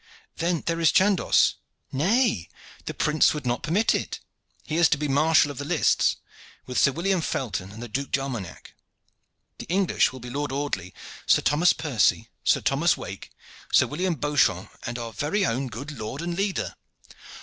"Then there is Chandos." "Nay, the prince would not permit it. He is to be marshal of the lists, with Sir William Felton and the Duc d'Armagnac. The English will be the Lord Audley, Sir Thomas Percy, Sir Thomas Wake, Sir William Beauchamp, and our own very good lord and leader."